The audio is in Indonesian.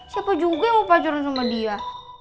siapa juga yang mau pacaran sama dia